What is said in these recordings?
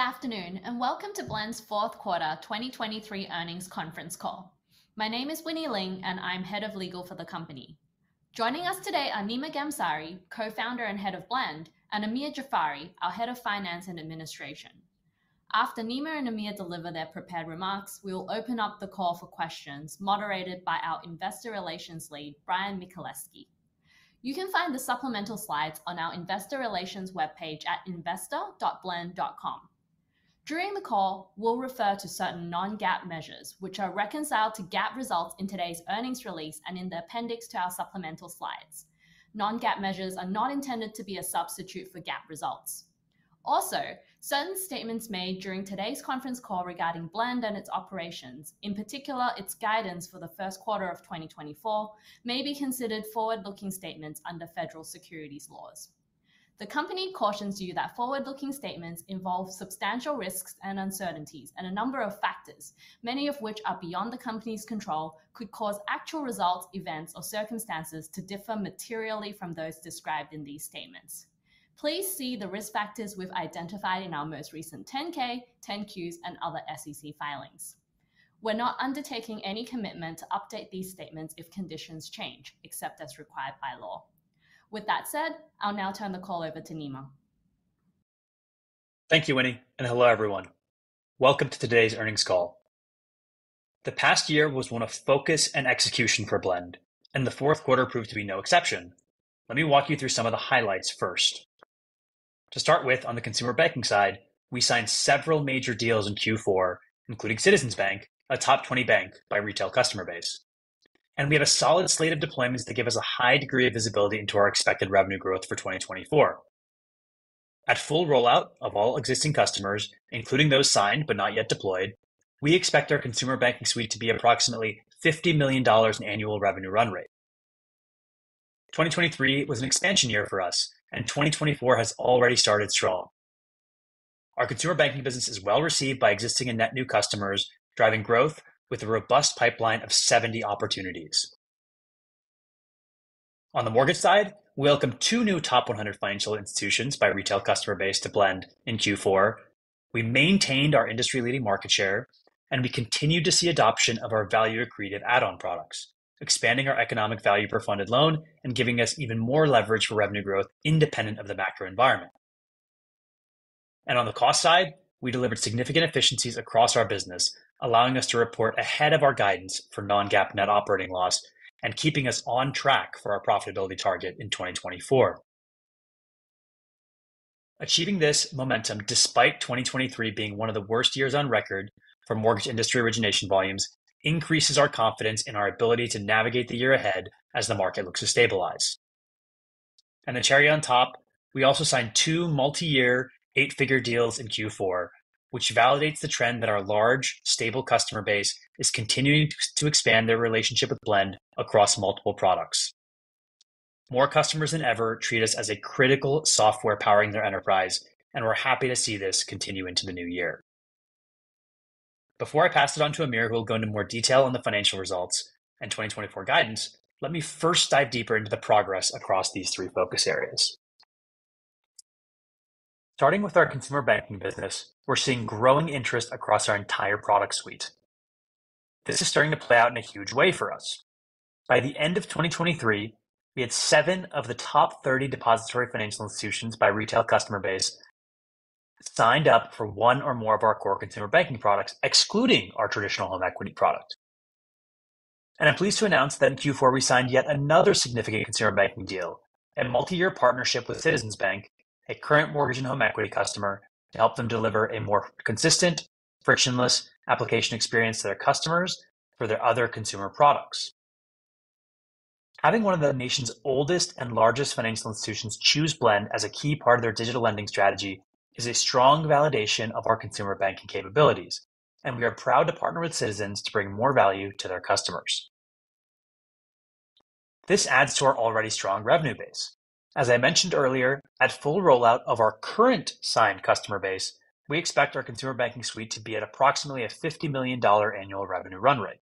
Good afternoon and welcome to Blend's Fourth Quarter 2023 earnings conference call. My name is Winnie Ling, and I'm Head of Legal for the company. Joining us today are Nima Ghamsari, Co-founder and Head of Blend, and Amir Jafari, our Head of Finance and Administration. After Nima and Amir deliver their prepared remarks, we will open up the call for questions moderated by our Investor Relations Lead, Bryan Michaleski. You can find the supplemental slides on our Investor Relations web page at investor.blend.com. During the call, we'll refer to certain non-GAAP measures, which are reconciled to GAAP results in today's earnings release and in the appendix to our supplemental slides. Non-GAAP measures are not intended to be a substitute for GAAP results. Also, certain statements made during today's conference call regarding Blend and its operations, in particular its guidance for the first quarter of 2024, may be considered forward-looking statements under federal securities laws. The company cautions you that forward-looking statements involve substantial risks and uncertainties, and a number of factors, many of which are beyond the company's control, could cause actual results, events, or circumstances to differ materially from those described in these statements. Please see the risk factors we've identified in our most recent 10-K, 10-Qs, and other SEC filings. We're not undertaking any commitment to update these statements if conditions change, except as required by law. With that said, I'll now turn the call over to Nima. Thank you, Winnie, and hello everyone. Welcome to today's earnings call. The past year was one of focus and execution for Blend, and the fourth quarter proved to be no exception. Let me walk you through some of the highlights first. To start with, on the consumer banking side, we signed several major deals in Q4, including Citizens Bank, a top 20 bank by retail customer base. We have a solid slate of deployments that give us a high degree of visibility into our expected revenue growth for 2024. At full rollout of all existing customers, including those signed but not yet deployed, we expect our Consumer Banking Suite to be approximately $50 million in annual revenue run rate. 2023 was an expansion year for us, and 2024 has already started strong. Our consumer banking business is well received by existing and net new customers, driving growth with a robust pipeline of 70 opportunities. On the mortgage side, we welcomed two new top 100 financial institutions by retail customer base to Blend in Q4. We maintained our industry-leading market share, and we continue to see adoption of our value-accretive add-on products, expanding our economic value per funded loan and giving us even more leverage for revenue growth independent of the macro environment. On the cost side, we delivered significant efficiencies across our business, allowing us to report ahead of our guidance for Non-GAAP net operating loss and keeping us on track for our profitability target in 2024. Achieving this momentum despite 2023 being one of the worst years on record for mortgage industry origination volumes increases our confidence in our ability to navigate the year ahead as the market looks to stabilize. And the cherry on top, we also signed two multi-year, eight-figure deals in Q4, which validates the trend that our large, stable customer base is continuing to expand their relationship with Blend across multiple products. More customers than ever treat us as a critical software powering their enterprise, and we're happy to see this continue into the new year. Before I pass it on to Amir, who will go into more detail on the financial results and 2024 guidance, let me first dive deeper into the progress across these three focus areas. Starting with our consumer banking business, we're seeing growing interest across our entire product suite. This is starting to play out in a huge way for us. By the end of 2023, we had seven of the top 30 depository financial institutions by retail customer base signed up for one or more of our core consumer banking products, excluding our traditional home equity product. I'm pleased to announce that in Q4 we signed yet another significant consumer banking deal, a multi-year partnership with Citizens Bank, a current mortgage and home equity customer, to help them deliver a more consistent, frictionless application experience to their customers for their other consumer products. Having one of the nation's oldest and largest financial institutions choose Blend as a key part of their digital lending strategy is a strong validation of our consumer banking capabilities, and we are proud to partner with Citizens to bring more value to their customers. This adds to our already strong revenue base. As I mentioned earlier, at full rollout of our current signed customer base, we expect our Consumer Banking Suite to be at approximately a $50 million annual revenue run rate.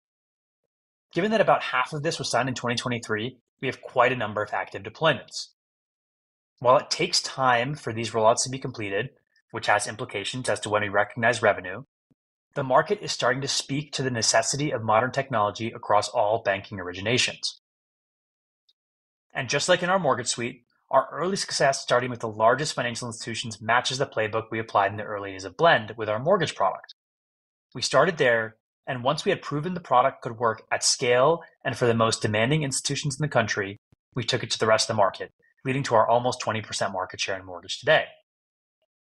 Given that about half of this was signed in 2023, we have quite a number of active deployments. While it takes time for these rollouts to be completed, which has implications as to when we recognize revenue, the market is starting to speak to the necessity of modern technology across all banking originations. Just like in our Mortgage Suite, our early success starting with the largest financial institutions matches the playbook we applied in the early days of Blend with our mortgage product. We started there, and once we had proven the product could work at scale and for the most demanding institutions in the country, we took it to the rest of the market, leading to our almost 20% market share in mortgage today.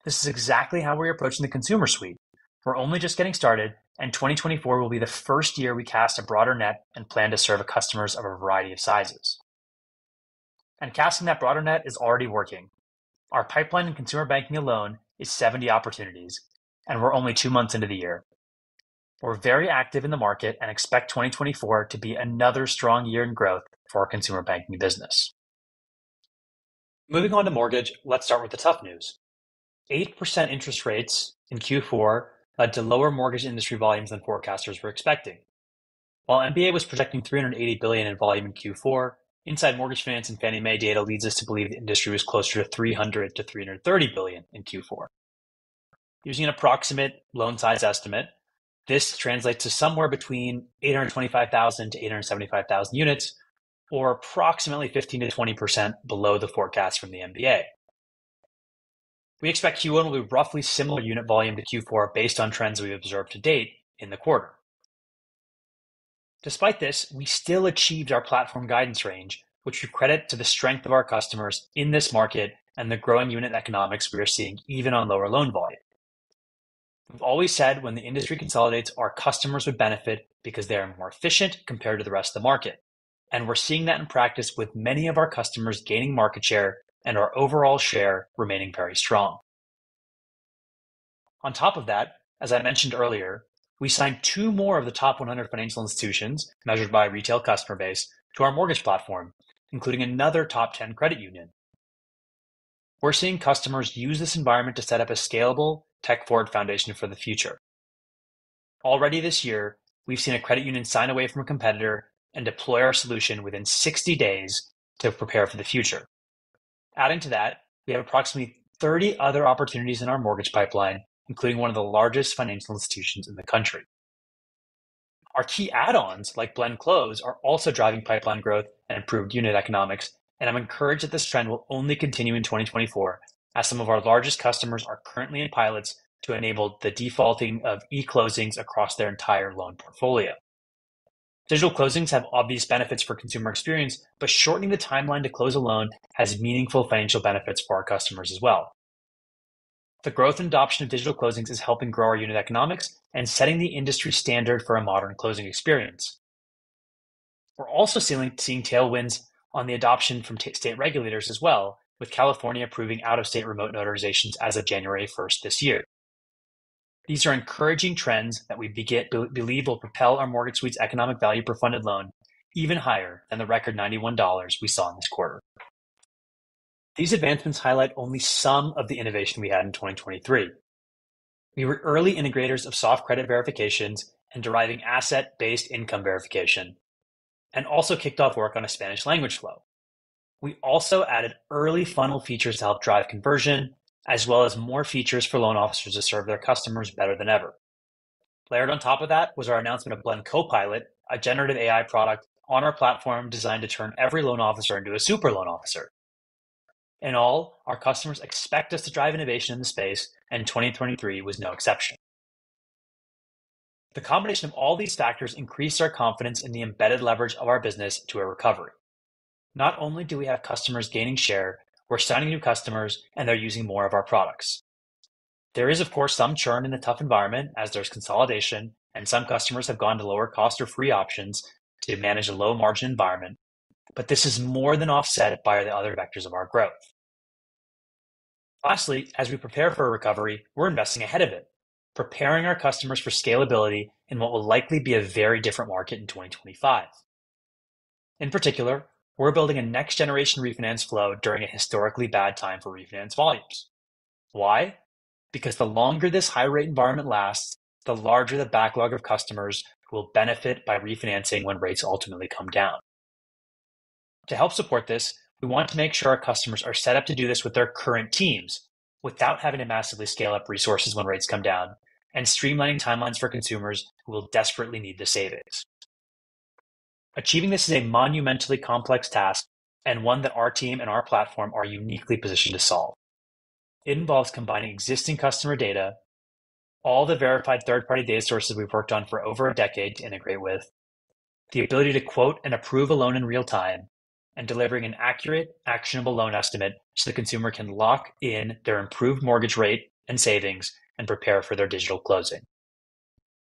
This is exactly how we're approaching the consumer suite. We're only just getting started, and 2024 will be the first year we cast a broader net and plan to serve customers of a variety of sizes. Casting that broader net is already working. Our pipeline in consumer banking alone is 70 opportunities, and we're only two months into the year. We're very active in the market and expect 2024 to be another strong year in growth for our consumer banking business. Moving on to mortgage, let's start with the tough news. 8% interest rates in Q4 led to lower mortgage industry volumes than forecasters were expecting. While MBA was projecting $380 billion in volume in Q4, Inside Mortgage Finance and Fannie Mae data leads us to believe the industry was closer to $300-$330 billion in Q4. Using an approximate loan size estimate, this translates to somewhere between 825,000-875,000 units, or approximately 15%-20% below the forecast from the MBA. We expect Q1 will be roughly similar unit volume to Q4 based on trends we've observed to date in the quarter. Despite this, we still achieved our platform guidance range, which we credit to the strength of our customers in this market and the growing unit economics we are seeing even on lower loan volume. We've always said when the industry consolidates, our customers would benefit because they are more efficient compared to the rest of the market. We're seeing that in practice with many of our customers gaining market share and our overall share remaining very strong. On top of that, as I mentioned earlier, we signed two more of the top 100 financial institutions, measured by retail customer base, to our mortgage platform, including another top 10 credit union. We're seeing customers use this environment to set up a scalable tech-forward foundation for the future. Already this year, we've seen a credit union sign away from a competitor and deploy our solution within 60 days to prepare for the future. Adding to that, we have approximately 30 other opportunities in our mortgage pipeline, including one of the largest financial institutions in the country. Our key add-ons, like Blend Close, are also driving pipeline growth and improved unit economics, and I'm encouraged that this trend will only continue in 2024 as some of our largest customers are currently in pilots to enable the defaulting of e-closings across their entire loan portfolio. Digital closings have obvious benefits for consumer experience, but shortening the timeline to close a loan has meaningful financial benefits for our customers as well. The growth and adoption of digital closings is helping grow our unit economics and setting the industry standard for a modern closing experience. We're also seeing tailwinds on the adoption from state regulators as well, with California approving out-of-state remote notarizations as of January 1 this year. These are encouraging trends that we believe will propel our Mortgage Suite's Economic Value Per Funded Loan even higher than the record $91 we saw in this quarter. These advancements highlight only some of the innovation we had in 2023. We were early integrators of soft credit verifications and deriving asset-based income verification, and also kicked off work on a Spanish language flow. We also added early funnel features to help drive conversion, as well as more features for loan officers to serve their customers better than ever. Layered on top of that was our announcement of Blend Copilot, a generative AI product on our platform designed to turn every loan officer into a super loan officer. In all, our customers expect us to drive innovation in the space, and 2023 was no exception. The combination of all these factors increased our confidence in the embedded leverage of our business to a recovery. Not only do we have customers gaining share, we're signing new customers, and they're using more of our products. There is, of course, some churn in the tough environment as there's consolidation, and some customers have gone to lower cost or free options to manage a low-margin environment, but this is more than offset by the other vectors of our growth. Lastly, as we prepare for a recovery, we're investing ahead of it, preparing our customers for scalability in what will likely be a very different market in 2025. In particular, we're building a next-generation refinance flow during a historically bad time for refinance volumes. Why? Because the longer this high-rate environment lasts, the larger the backlog of customers who will benefit by refinancing when rates ultimately come down. To help support this, we want to make sure our customers are set up to do this with their current teams without having to massively scale up resources when rates come down, and streamlining timelines for consumers who will desperately need the savings. Achieving this is a monumentally complex task and one that our team and our platform are uniquely positioned to solve. It involves combining existing customer data, all the verified third-party data sources we've worked on for over a decade to integrate with, the ability to quote and approve a loan in real time, and delivering an accurate, actionable loan estimate so the consumer can lock in their improved mortgage rate and savings and prepare for their digital closing.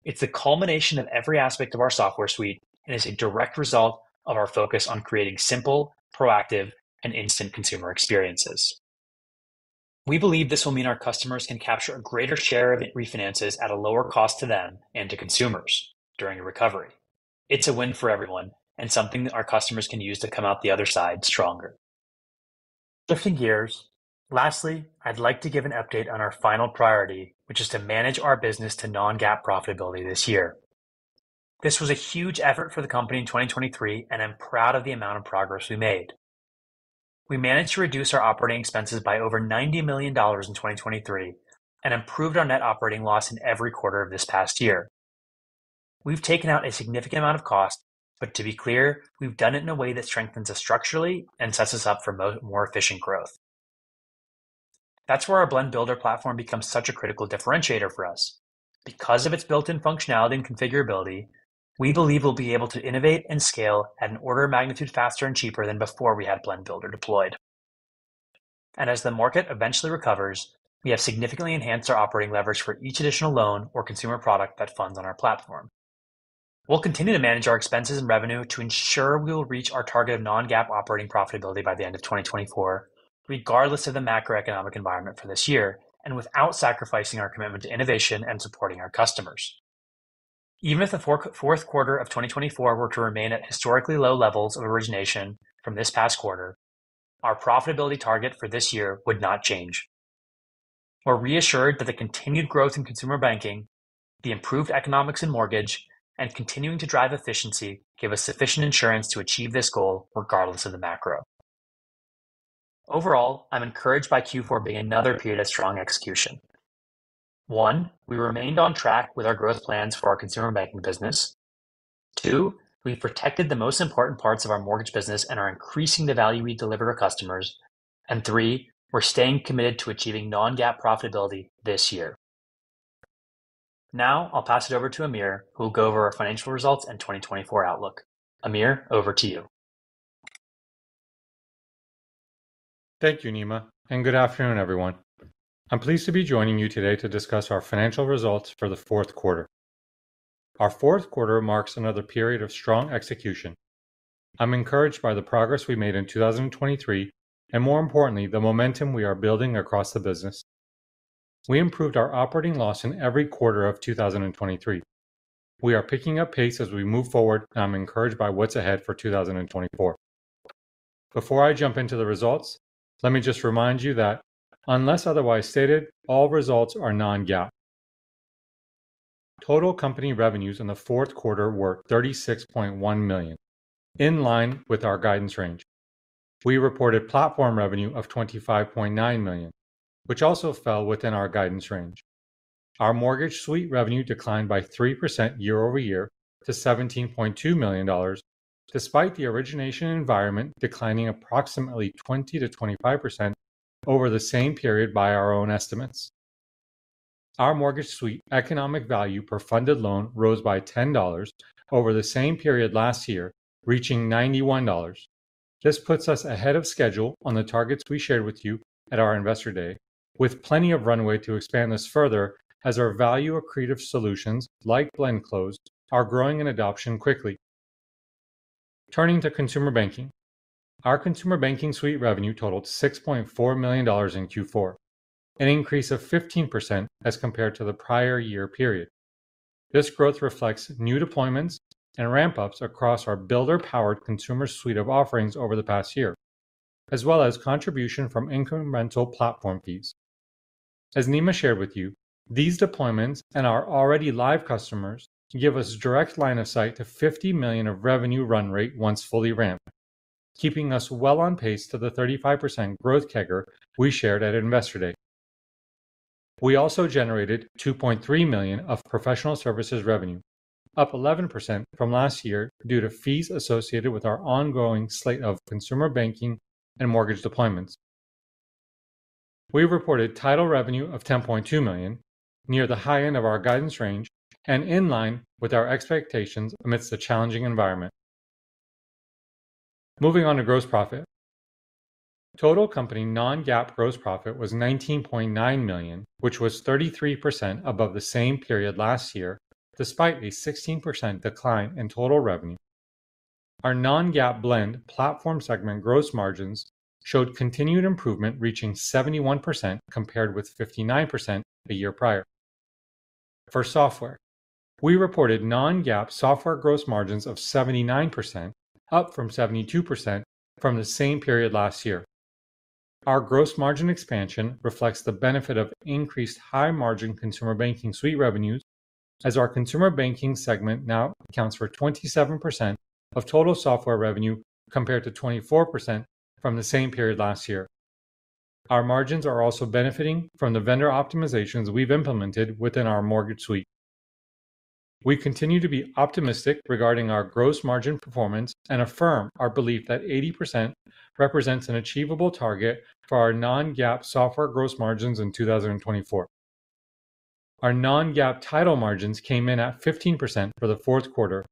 It's the culmination of every aspect of our software suite and is a direct result of our focus on creating simple, proactive, and instant consumer experiences. We believe this will mean our customers can capture a greater share of refinances at a lower cost to them and to consumers during a recovery. It's a win for everyone and something that our customers can use to come out the other side stronger. Shifting gears, lastly, I'd like to give an update on our final priority, which is to manage our business to non-GAAP profitability this year. This was a huge effort for the company in 2023, and I'm proud of the amount of progress we made. We managed to reduce our operating expenses by over $90 million in 2023 and improved our net operating loss in every quarter of this past year. We've taken out a significant amount of cost, but to be clear, we've done it in a way that strengthens us structurally and sets us up for more efficient growth. That's where our Blend Builder platform becomes such a critical differentiator for us. Because of its built-in functionality and configurability, we believe we'll be able to innovate and scale at an order of magnitude faster and cheaper than before we had Blend Builder deployed. As the market eventually recovers, we have significantly enhanced our operating leverage for each additional loan or consumer product that funds on our platform. We'll continue to manage our expenses and revenue to ensure we will reach our target of non-GAAP operating profitability by the end of 2024, regardless of the macroeconomic environment for this year, and without sacrificing our commitment to innovation and supporting our customers. Even if the fourth quarter of 2024 were to remain at historically low levels of origination from this past quarter, our profitability target for this year would not change. We're reassured that the continued growth in consumer banking, the improved economics in mortgage, and continuing to drive efficiency give us sufficient insurance to achieve this goal regardless of the macro. Overall, I'm encouraged by Q4 being another period of strong execution. One, we remained on track with our growth plans for our consumer banking business. Two, we protected the most important parts of our mortgage business and are increasing the value we deliver to customers. And three, we're staying committed to achieving non-GAAP profitability this year. Now I'll pass it over to Amir, who will go over our financial results and 2024 outlook. Amir, over to you. Thank you, Nima, and good afternoon, everyone. I'm pleased to be joining you today to discuss our financial results for the fourth quarter. Our fourth quarter marks another period of strong execution. I'm encouraged by the progress we made in 2023 and, more importantly, the momentum we are building across the business. We improved our operating loss in every quarter of 2023. We are picking up pace as we move forward, and I'm encouraged by what's ahead for 2024. Before I jump into the results, let me just remind you that, unless otherwise stated, all results are Non-GAAP. Total company revenues in the fourth quarter were $36.1 million, in line with our guidance range. We reported platform revenue of $25.9 million, which also fell within our guidance range. Our Mortgage Suite revenue declined by 3% year-over-year to $17.2 million, despite the origination environment declining approximately 20%-25% over the same period by our own estimates. Our Mortgage Suite economic value per funded loan rose by $10 over the same period last year, reaching $91. This puts us ahead of schedule on the targets we shared with you at our Investor Day, with plenty of runway to expand this further as our value accretive solutions like Blend Close are growing in adoption quickly. Turning to consumer banking, our Consumer Banking Suite revenue totaled $6.4 million in Q4, an increase of 15% as compared to the prior year period. This growth reflects new deployments and ramp-ups across our Builder-powered Consumer Suite of offerings over the past year, as well as contribution from incremental platform fees. As Nima shared with you, these deployments and our already live customers give us direct line of sight to $50 million of revenue run rate once fully ramped, keeping us well on pace to the 35% growth kegger we shared at Investor Day. We also generated $2.3 million of Professional Services revenue, up 11% from last year due to fees associated with our ongoing slate of consumer banking and Mortgage deployments. We reported Title revenue of $10.2 million, near the high end of our guidance range and in line with our expectations amidst the challenging environment. Moving on to gross profit. Total company non-GAAP gross profit was $19.9 million, which was 33% above the same period last year despite a 16% decline in total revenue. Our non-GAAP Blend Platform segment gross margins showed continued improvement reaching 71% compared with 59% the year prior. For software, we reported non-GAAP software gross margins of 79%, up from 72% from the same period last year. Our gross margin expansion reflects the benefit of increased high-margin Consumer Banking Suite revenues, as our consumer banking segment now accounts for 27% of total software revenue compared to 24% from the same period last year. Our margins are also benefiting from the vendor optimizations we've implemented within our Mortgage Suite. We continue to be optimistic regarding our gross margin performance and affirm our belief that 80% represents an achievable target for our non-GAAP software gross margins in 2024. Our non-GAAP title margins came in at 15% for the fourth quarter,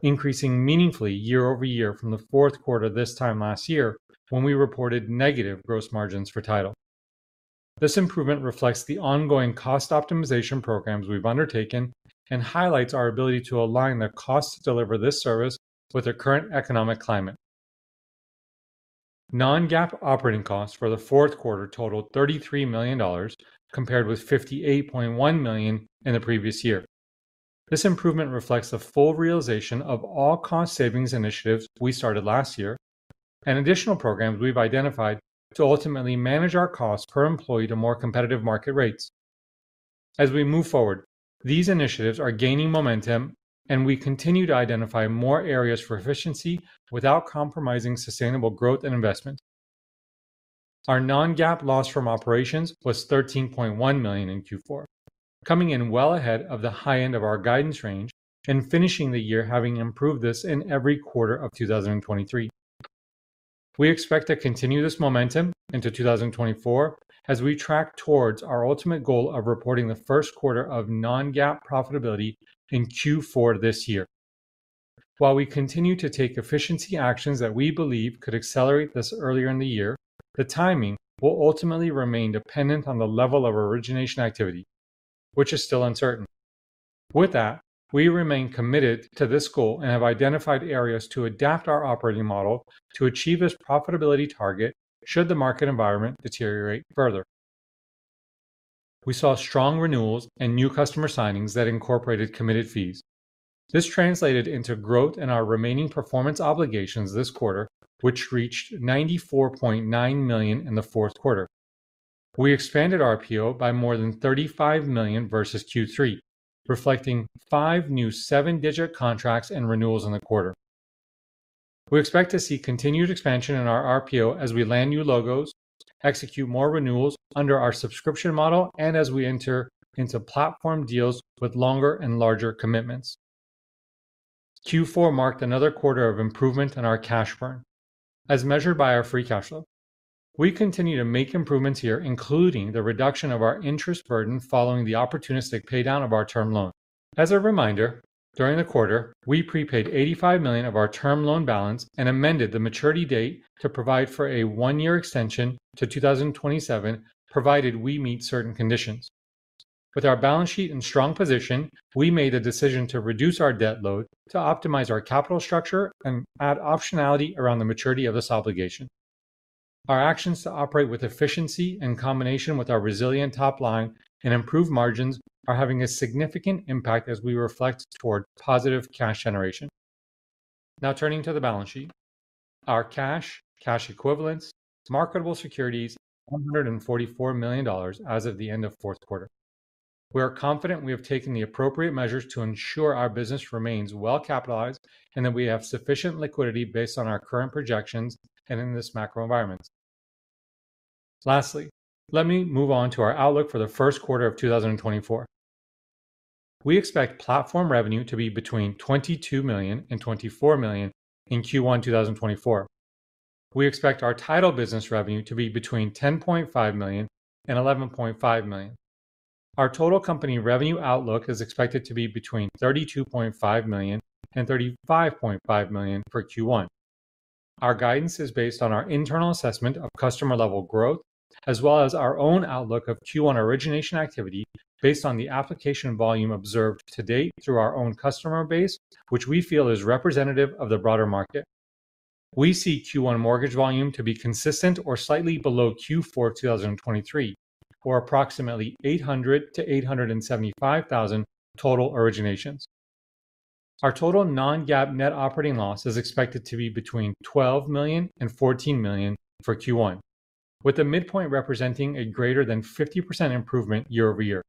increasing meaningfully year-over-year from the fourth quarter this time last year when we reported negative gross margins for title. This improvement reflects the ongoing cost optimization programs we've undertaken and highlights our ability to align the costs to deliver this service with our current economic climate. Non-GAAP operating costs for the fourth quarter totaled $33 million compared with $58.1 million in the previous year. This improvement reflects the full realization of all cost savings initiatives we started last year and additional programs we've identified to ultimately manage our costs per employee to more competitive market rates. As we move forward, these initiatives are gaining momentum, and we continue to identify more areas for efficiency without compromising sustainable growth and investment. Our non-GAAP loss from operations was $13.1 million in Q4, coming in well ahead of the high end of our guidance range and finishing the year having improved this in every quarter of 2023. We expect to continue this momentum into 2024 as we track towards our ultimate goal of reporting the first quarter of non-GAAP profitability in Q4 this year. While we continue to take efficiency actions that we believe could accelerate this earlier in the year, the timing will ultimately remain dependent on the level of origination activity, which is still uncertain. With that, we remain committed to this goal and have identified areas to adapt our operating model to achieve this profitability target should the market environment deteriorate further. We saw strong renewals and new customer signings that incorporated committed fees. This translated into growth in our remaining performance obligations this quarter, which reached $94.9 million in the fourth quarter. We expanded RPO by more than $35 million versus Q3, reflecting five new seven-digit contracts and renewals in the quarter. We expect to see continued expansion in our RPO as we land new logos, execute more renewals under our subscription model, and as we enter into platform deals with longer and larger commitments. Q4 marked another quarter of improvement in our cash burn, as measured by our free cash flow. We continue to make improvements here, including the reduction of our interest burden following the opportunistic paydown of our term loan. As a reminder, during the quarter, we prepaid $85 million of our term loan balance and amended the maturity date to provide for a one-year extension to 2027 provided we meet certain conditions. With our balance sheet in strong position, we made the decision to reduce our debt load to optimize our capital structure and add optionality around the maturity of this obligation. Our actions to operate with efficiency in combination with our resilient top line and improved margins are having a significant impact as we reflect toward positive cash generation. Now turning to the balance sheet. Our cash, cash equivalents, marketable securities: $144 million as of the end of fourth quarter. We are confident we have taken the appropriate measures to ensure our business remains well capitalized and that we have sufficient liquidity based on our current projections and in this macro environment. Lastly, let me move on to our outlook for the first quarter of 2024. We expect platform revenue to be between $22 million and $24 million in Q1 2024. We expect our title business revenue to be between $10.5 million and $11.5 million. Our total company revenue outlook is expected to be between $32.5 million and $35.5 million per Q1. Our guidance is based on our internal assessment of customer-level growth, as well as our own outlook of Q1 origination activity based on the application volume observed to date through our own customer base, which we feel is representative of the broader market. We see Q1 mortgage volume to be consistent or slightly below Q4 2023, or approximately 800,000-875,000 total originations. Our total non-GAAP net operating loss is expected to be between $12 million and $14 million for Q1, with the midpoint representing a greater than 50% improvement year-over-year.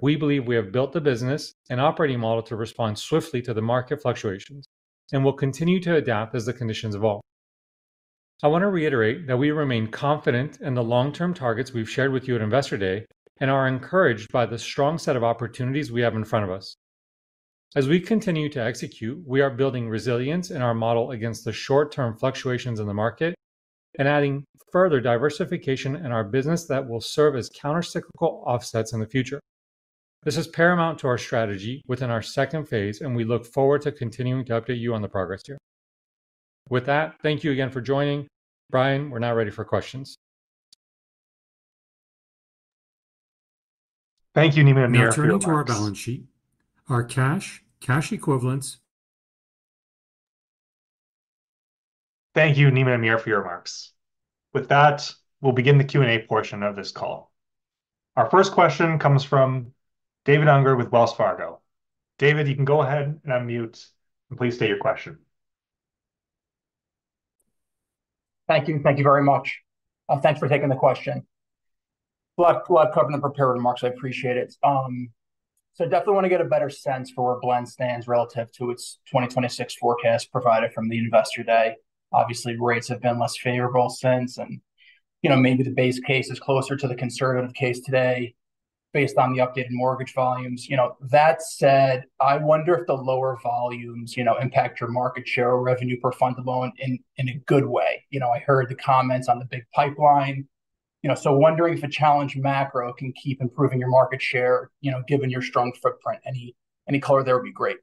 We believe we have built the business and operating model to respond swiftly to the market fluctuations and will continue to adapt as the conditions evolve. I want to reiterate that we remain confident in the long-term targets we've shared with you at investor day and are encouraged by the strong set of opportunities we have in front of us. As we continue to execute, we are building resilience in our model against the short-term fluctuations in the market and adding further diversification in our business that will serve as countercyclical offsets in the future. This is paramount to our strategy within our second phase, and we look forward to continuing to update you on the progress here. With that, thank you again for joining. Bryan, we're now ready for questions. Thank you, Nima and Amir, for your comments. Now turning to our balance sheet. Our cash, cash equivalents. Thank you, Nima and Amir, for your remarks. With that, we'll begin the Q&A portion of this call. Our first question comes from David Unger with Wells Fargo. David, you can go ahead and unmute, and please state your question. Thank you. Thank you very much. Thanks for taking the question. Glad to cover the preparatory remarks. I appreciate it. So I definitely want to get a better sense for where Blend stands relative to its 2026 forecast provided from the investor day. Obviously, rates have been less favorable since, and maybe the base case is closer to the conservative case today based on the updated mortgage volumes. That said, I wonder if the lower volumes impact your market share or revenue per funded loan in a good way. I heard the comments on the big pipeline. So wondering if a challenging macro can keep improving your market share given your strong footprint. Any color there would be great.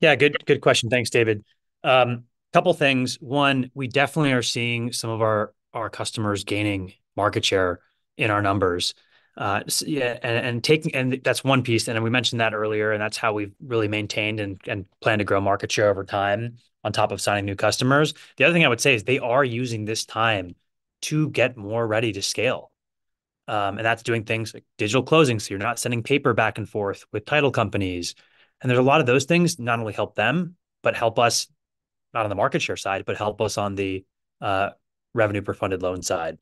Yeah, good question. Thanks, David. A couple of things. One, we definitely are seeing some of our customers gaining market share in our numbers. And that's one piece. And we mentioned that earlier, and that's how we've really maintained and plan to grow market share over time on top of signing new customers. The other thing I would say is they are using this time to get more ready to scale. And that's doing things like digital closings. So you're not sending paper back and forth with title companies. And there's a lot of those things not only help them, but help us not on the market share side, but help us on the revenue per funded loan side.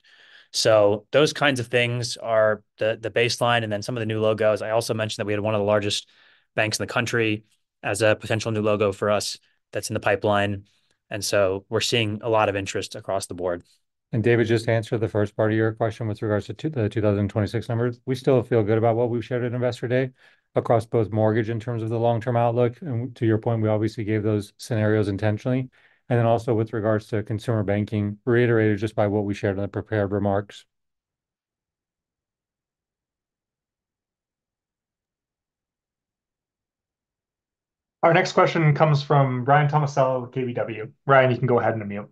So those kinds of things are the baseline. And then some of the new logos. I also mentioned that we had one of the largest banks in the country as a potential new logo for us that's in the pipeline. And so we're seeing a lot of interest across the board. David just answered the first part of your question with regards to the 2026 numbers. We still feel good about what we've shared at investor day across both mortgage in terms of the long-term outlook. And to your point, we obviously gave those scenarios intentionally. And then also with regards to consumer banking, reiterated just by what we shared in the prepared remarks. Our next question comes from Ryan Tomasello with KBW. Ryan, you can go ahead and unmute.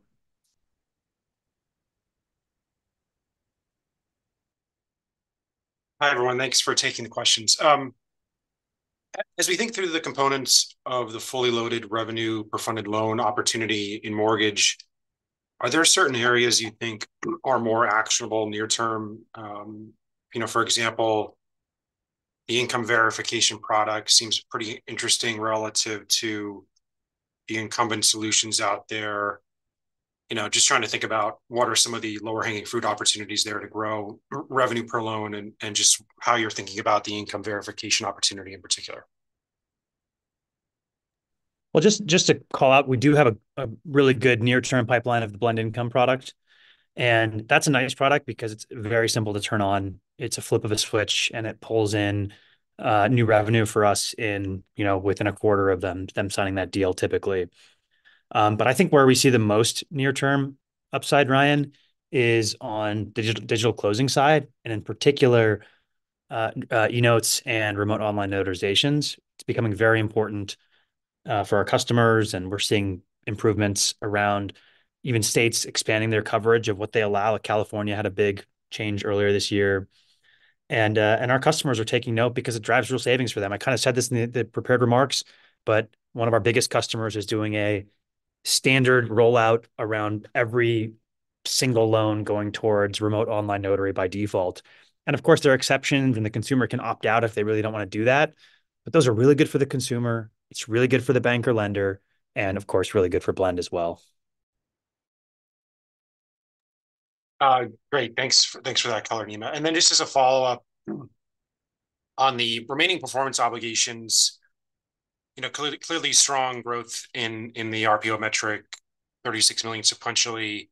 Hi, everyone. Thanks for taking the questions. As we think through the components of the fully loaded revenue per funded loan opportunity in mortgage, are there certain areas you think are more actionable near-term? For example, the income verification product seems pretty interesting relative to the incumbent solutions out there. Just trying to think about what are some of the lower-hanging fruit opportunities there to grow revenue per loan and just how you're thinking about the income verification opportunity in particular. Well, just to call out, we do have a really good near-term pipeline of the Blend Income product. That's a nice product because it's very simple to turn on. It's a flip of a switch, and it pulls in new revenue for us within a quarter of them signing that deal, typically. But I think where we see the most near-term upside, Ryan, is on digital closing side and in particular, e-notes and remote online notarizations. It's becoming very important for our customers, and we're seeing improvements around even states expanding their coverage of what they allow. California had a big change earlier this year. Our customers are taking note because it drives real savings for them. I kind of said this in the prepared remarks, but one of our biggest customers is doing a standard rollout around every single loan going towards remote online notary by default. Of course, there are exceptions, and the consumer can opt out if they really don't want to do that. But those are really good for the consumer. It's really good for the bank or lender, and of course, really good for Blend as well. Great. Thanks for that color, Nima. And then just as a follow-up on the remaining performance obligations, clearly strong growth in the RPO metric, $36 million sequentially.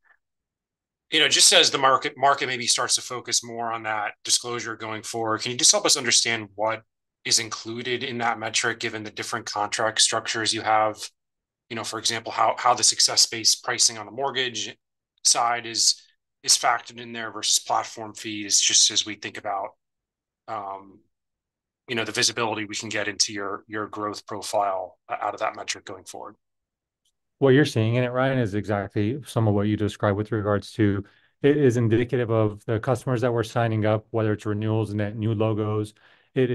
Just as the market maybe starts to focus more on that disclosure going forward, can you just help us understand what is included in that metric given the different contract structures you have? For example, how the success-based pricing on the mortgage side is factored in there versus platform fees just as we think about the visibility we can get into your growth profile out of that metric going forward. What you're seeing in it, Ryan, is exactly some of what you described with regards to. It is indicative of the customers that we're signing up, whether it's renewals and that new logos. It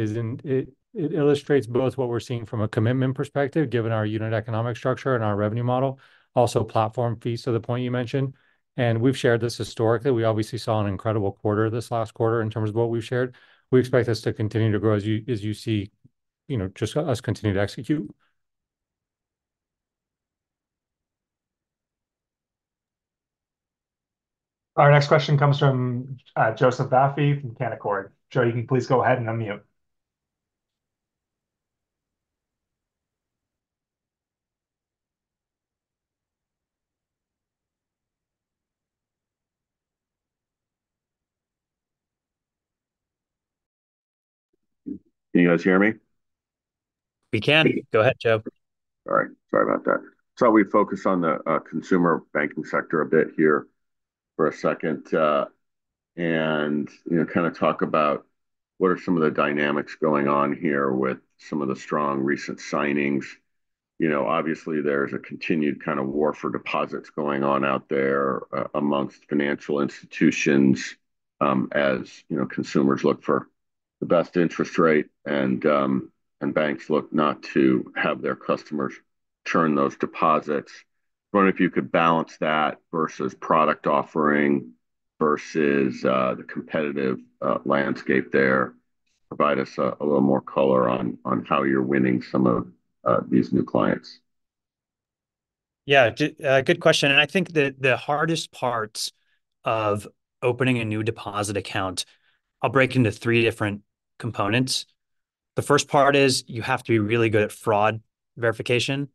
illustrates both what we're seeing from a commitment perspective given our unit economic structure and our revenue model, also platform fees to the point you mentioned. And we've shared this historically. We obviously saw an incredible quarter this last quarter in terms of what we've shared. We expect this to continue to grow as you see just us continue to execute. Our next question comes from Joseph Vafi from Canaccord Genuity. Joe, you can please go ahead and unmute. Can you guys hear me? We can. Go ahead, Joe. All right. Sorry about that. Thought we'd focus on the consumer banking sector a bit here for a second and kind of talk about what are some of the dynamics going on here with some of the strong recent signings. Obviously, there's a continued kind of war for deposits going on out there amongst financial institutions as consumers look for the best interest rate and banks look not to have their customers turn those deposits. I wonder if you could balance that versus product offering versus the competitive landscape there, provide us a little more color on how you're winning some of these new clients. Yeah, good question. And I think the hardest parts of opening a new deposit account, I'll break into three different components. The first part is you have to be really good at fraud verification.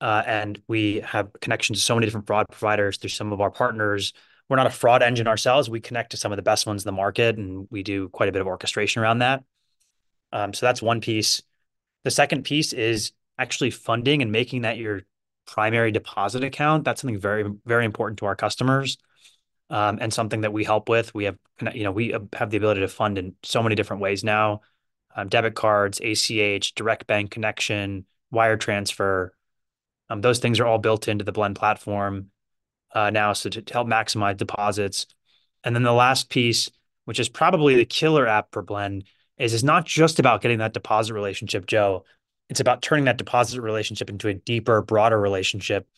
And we have connections to so many different fraud providers. There's some of our partners. We're not a fraud engine ourselves. We connect to some of the best ones in the market, and we do quite a bit of orchestration around that. So that's one piece. The second piece is actually funding and making that your primary deposit account. That's something very, very important to our customers and something that we help with. We have the ability to fund in so many different ways now: debit cards, ACH, direct bank connection, wire transfer. Those things are all built into the Blend Platform now to help maximize deposits. And then the last piece, which is probably the killer app for Blend, is it's not just about getting that deposit relationship, Joe. It's about turning that deposit relationship into a deeper, broader relationship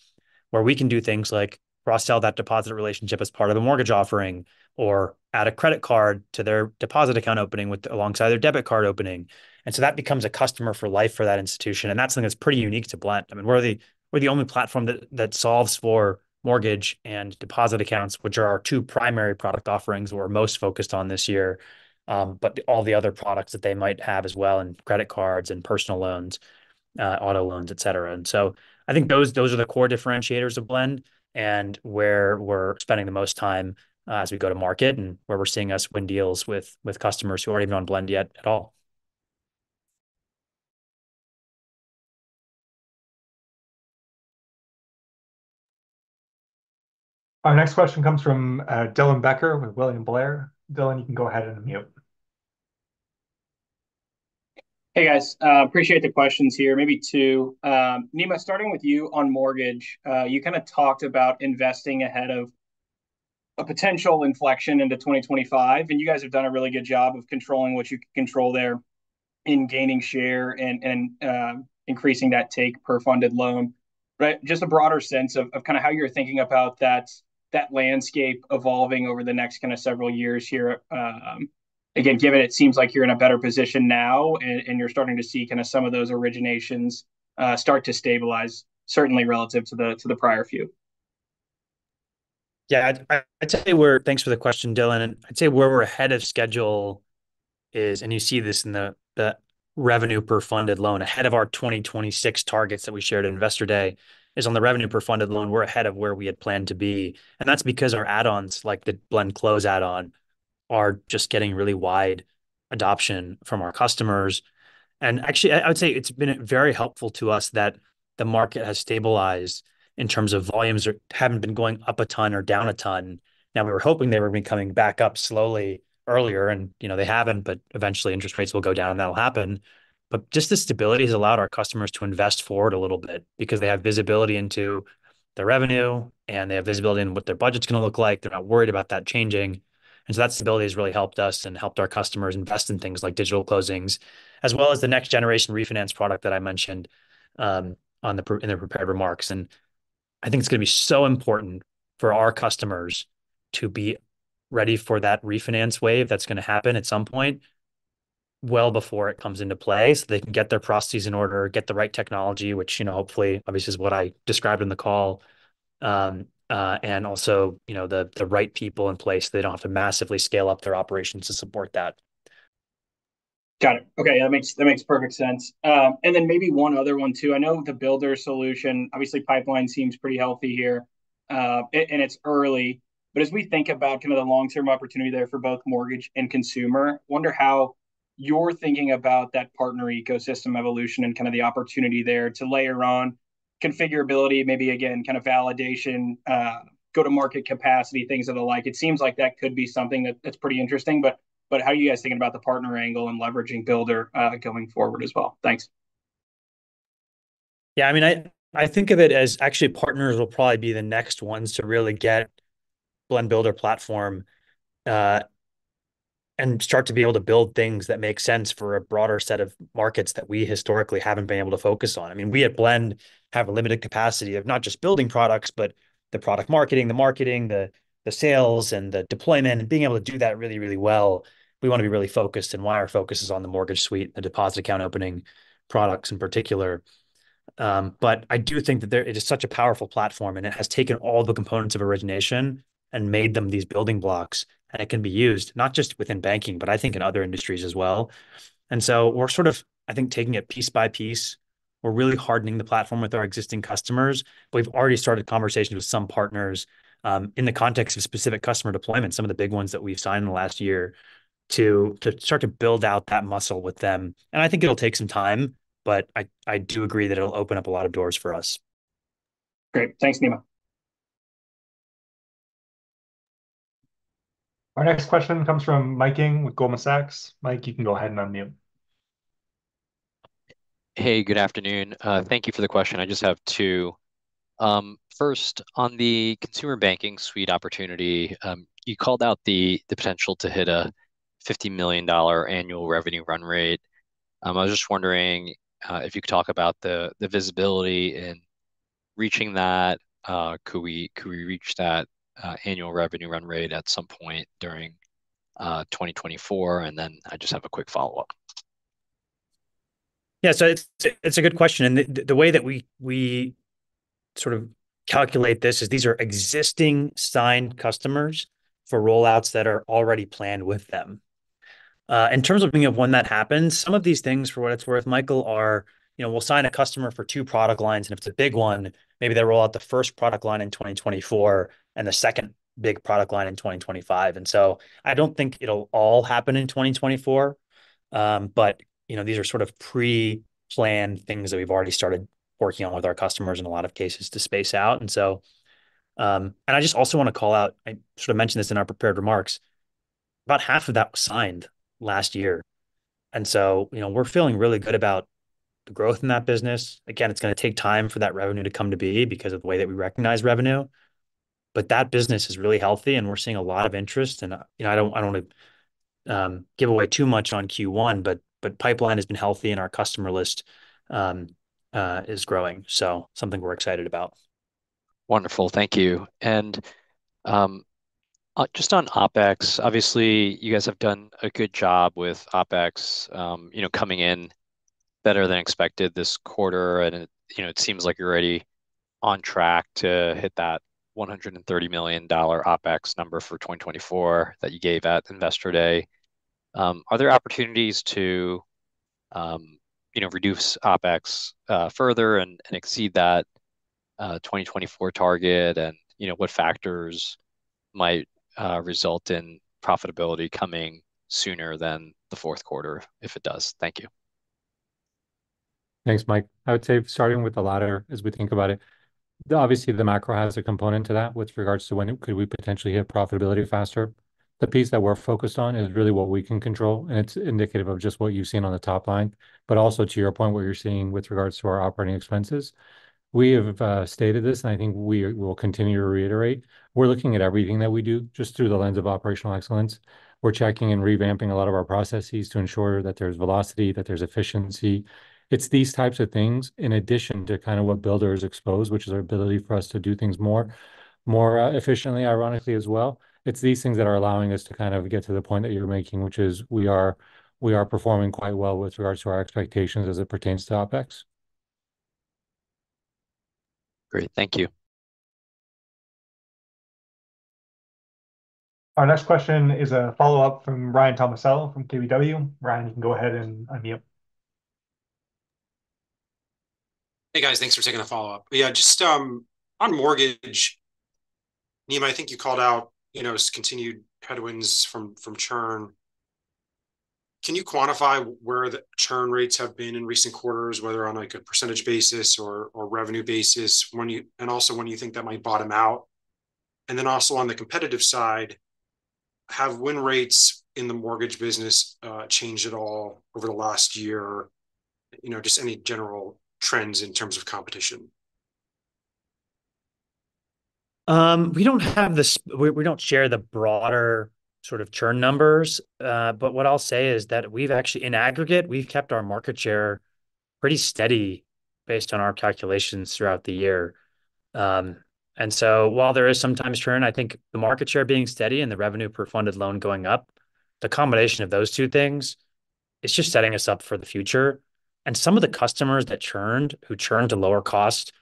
where we can do things like cross-sell that deposit relationship as part of a mortgage offering or add a credit card to their deposit account opening alongside their debit card opening. So that becomes a customer for life for that institution. That's something that's pretty unique to Blend. I mean, we're the only platform that solves for mortgage and deposit accounts, which are our two primary product offerings we're most focused on this year, but all the other products that they might have as well and credit cards and personal loans, auto loans, etc. And so I think those are the core differentiators of Blend and where we're spending the most time as we go to market and where we're seeing us win deals with customers who aren't even on Blend yet at all. Our next question comes from Dylan Becker with William Blair. Dylan, you can go ahead and unmute. Hey, guys. Appreciate the questions here. Maybe two. Nima, starting with you on mortgage, you kind of talked about investing ahead of a potential inflection into 2025, and you guys have done a really good job of controlling what you can control there in gaining share and increasing that take per funded loan. Just a broader sense of kind of how you're thinking about that landscape evolving over the next kind of several years here. Again, given it seems like you're in a better position now and you're starting to see kind of some of those originations start to stabilize, certainly relative to the prior few. Yeah, thanks for the question, Dylan. And I'd say where we're ahead of schedule is, and you see this in the revenue per funded loan ahead of our 2026 targets that we shared at investor day, is on the revenue per funded loan. We're ahead of where we had planned to be. And that's because our add-ons like the Blend Close add-on are just getting really wide adoption from our customers. And actually, I would say it's been very helpful to us that the market has stabilized in terms of volumes haven't been going up a ton or down a ton. Now, we were hoping they were going to be coming back up slowly earlier, and they haven't, but eventually, interest rates will go down, and that'll happen. Just the stability has allowed our customers to invest forward a little bit because they have visibility into their revenue, and they have visibility in what their budget's going to look like. They're not worried about that changing. And so that stability has really helped us and helped our customers invest in things like digital closings as well as the next-generation refinance product that I mentioned in the prepared remarks. And I think it's going to be so important for our customers to be ready for that refinance wave that's going to happen at some point well before it comes into play so they can get their processes in order, get the right technology, which hopefully, obviously, is what I described in the call, and also the right people in place so they don't have to massively scale up their operations to support that. Got it. Okay. That makes perfect sense. And then maybe one other one too. I know the builder solution, obviously, pipeline seems pretty healthy here, and it's early. But as we think about kind of the long-term opportunity there for both mortgage and consumer, I wonder how you're thinking about that partner ecosystem evolution and kind of the opportunity there to layer on configurability, maybe again, kind of validation, go-to-market capacity, things of the like. It seems like that could be something that's pretty interesting. But how are you guys thinking about the partner angle and leveraging builder going forward as well? Thanks. Yeah, I mean, I think of it as actually partners will probably be the next ones to really get Blend Builder platform and start to be able to build things that make sense for a broader set of markets that we historically haven't been able to focus on. I mean, we at Blend have a limited capacity of not just building products, but the product marketing, the marketing, the sales, and the deployment, and being able to do that really, really well. We want to be really focused in why our focus is on the Mortgage Suite, the deposit account opening products in particular. But I do think that it is such a powerful platform, and it has taken all the components of origination and made them these building blocks. And it can be used not just within banking, but I think in other industries as well. And so we're sort of, I think, taking it piece by piece. We're really hardening the platform with our existing customers. We've already started conversations with some partners in the context of specific customer deployments, some of the big ones that we've signed in the last year to start to build out that muscle with them. And I think it'll take some time, but I do agree that it'll open up a lot of doors for us. Great. Thanks, Nima. Our next question comes from Mike Ng with Goldman Sachs. Mike, you can go ahead and unmute. Hey, good afternoon. Thank you for the question. I just have two. First, on the Consumer Banking Suite opportunity, you called out the potential to hit a $50 million annual revenue run rate. I was just wondering if you could talk about the visibility in reaching that. Could we reach that annual revenue run rate at some point during 2024? And then I just have a quick follow-up. Yeah, so it's a good question. And the way that we sort of calculate this is these are existing signed customers for rollouts that are already planned with them. In terms of being of when that happens, some of these things, for what it's worth, Michael, are we'll sign a customer for two product lines, and if it's a big one, maybe they'll roll out the first product line in 2024 and the second big product line in 2025. And so I don't think it'll all happen in 2024, but these are sort of pre-planned things that we've already started working on with our customers in a lot of cases to space out. And I just also want to call out, I sort of mentioned this in our prepared remarks. About half of that was signed last year. And so we're feeling really good about the growth in that business. Again, it's going to take time for that revenue to come to be because of the way that we recognize revenue. But that business is really healthy, and we're seeing a lot of interest. And I don't want to give away too much on Q1, but pipeline has been healthy, and our customer list is growing, so something we're excited about. Wonderful. Thank you. Just on OpEx, obviously, you guys have done a good job with OpEx coming in better than expected this quarter. It seems like you're already on track to hit that $130 million OpEx number for 2024 that you gave at investor day. Are there opportunities to reduce OpEx further and exceed that 2024 target, and what factors might result in profitability coming sooner than the fourth quarter if it does? Thank you. Thanks, Mike. I would say starting with the latter as we think about it. Obviously, the macro has a component to that with regards to when could we potentially hit profitability faster. The piece that we're focused on is really what we can control, and it's indicative of just what you've seen on the top line, but also to your point, what you're seeing with regards to our operating expenses. We have stated this, and I think we will continue to reiterate. We're looking at everything that we do just through the lens of operational excellence. We're checking and revamping a lot of our processes to ensure that there's velocity, that there's efficiency. It's these types of things in addition to kind of what builders expose, which is our ability for us to do things more efficiently, ironically, as well. It's these things that are allowing us to kind of get to the point that you're making, which is we are performing quite well with regards to our expectations as it pertains to OpEx. Great. Thank you. Our next question is a follow-up from Ryan Tomasello from KBW. Ryan, you can go ahead and unmute. Hey, guys. Thanks for taking the follow-up. Yeah, just on mortgage, Nima, I think you called out continued headwinds from churn. Can you quantify where the churn rates have been in recent quarters, whether on a percentage basis or revenue basis, and also when you think that might bottom out? And then also on the competitive side, have win rates in the mortgage business changed at all over the last year? Just any general trends in terms of competition? We don't share the broader sort of churn numbers. But what I'll say is that we've actually in aggregate, we've kept our market share pretty steady based on our calculations throughout the year. And so while there is sometimes churn, I think the market share being steady and the revenue per funded loan going up, the combination of those two things, it's just setting us up for the future. And some of the customers that churned, who churned to lower cost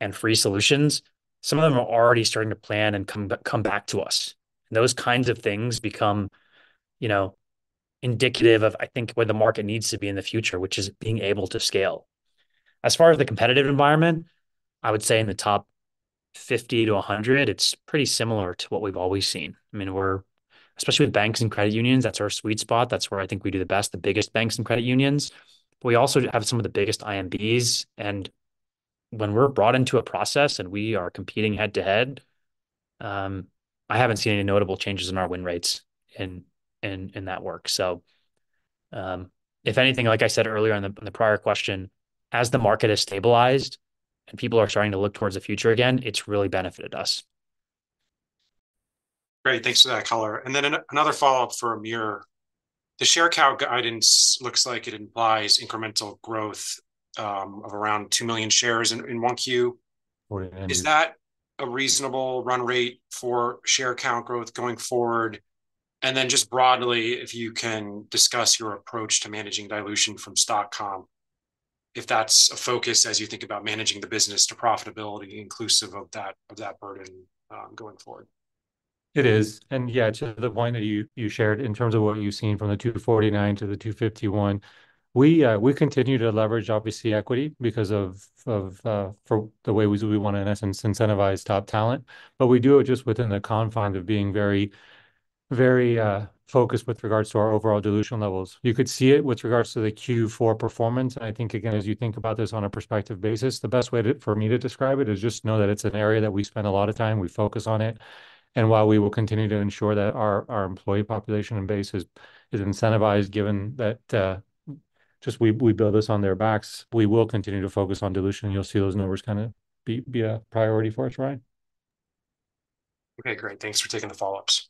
and free solutions, some of them are already starting to plan and come back to us. And those kinds of things become indicative of, I think, where the market needs to be in the future, which is being able to scale. As far as the competitive environment, I would say in the top 50-100, it's pretty similar to what we've always seen. I mean, especially with banks and credit unions, that's our sweet spot. That's where I think we do the best, the biggest banks and credit unions. But we also have some of the biggest IMBs. And when we're brought into a process and we are competing head-to-head, I haven't seen any notable changes in our win rates in that work. So if anything, like I said earlier on the prior question, as the market has stabilized and people are starting to look towards the future again, it's really benefited us. Great. Thanks for that, Color. And then another follow-up for Amir. The share count guidance looks like it implies incremental growth of around 2 million shares in 1Q. Is that a reasonable run rate for share count growth going forward? And then just broadly, if you can discuss your approach to managing dilution from stock comp, if that's a focus as you think about managing the business to profitability inclusive of that burden going forward. It is. And yeah, to the point that you shared in terms of what you've seen from the 249 to the 251, we continue to leverage, obviously, equity because of the way we want to, in essence, incentivize top talent. But we do it just within the confines of being very focused with regards to our overall dilution levels. You could see it with regards to the Q4 performance. And I think, again, as you think about this on a perspective basis, the best way for me to describe it is just know that it's an area that we spend a lot of time. We focus on it. And while we will continue to ensure that our employee population and base is incentivized given that just we build this on their backs, we will continue to focus on dilution. You'll see those numbers kind of be a priority for us, Ryan. Okay. Great. Thanks for taking the follow-ups.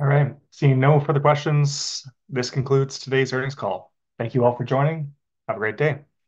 All right. Seeing no further questions, this concludes today's earnings call. Thank you all for joining. Have a great day.